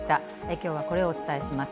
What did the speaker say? きょうはこれをお伝えします。